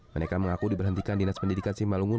mereka mengaku diberhentikan dinas pendidikan simalungun